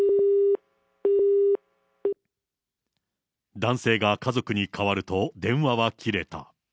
男性が家族に代わると、電話は切れた。